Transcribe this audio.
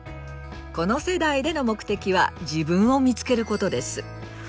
この世代での目的は“自分を見つける”ことです。